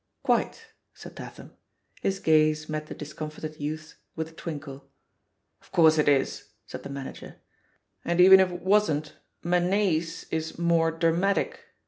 "Quite," said Tatham. His gaze met the dis comfited youth's with a twinkle. "Of course it is," said the manager. "And even if it wasn't, ^inenace^ is more dramatic.